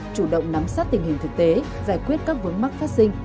chủ động nắm sát tình hình thực tế giải quyết các vướng mắc phát sinh